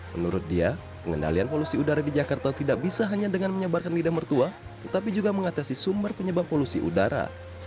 menurut dia pengendalian polusi udara di jakarta tidak bisa hanya dengan menyebarkan lidah mertua tetapi juga mengatasi sumber penyebab polusi udara